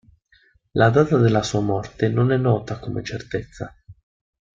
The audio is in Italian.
La data della sua morte non è nota con certezza.